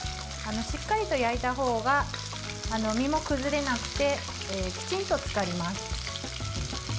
しっかりと焼いたほうが身も崩れなくてきちんと漬かります。